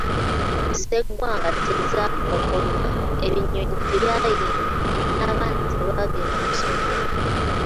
Ssegwanga tezaakookolima, ebinyonyi tebyayimba n'abaana tebagenda ku ssomero.